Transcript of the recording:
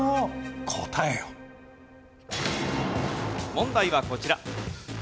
問題はこちら。